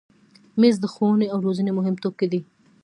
مېز د ښوونې او روزنې مهم توکي دي.